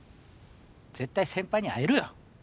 絶対先輩に会えるよ。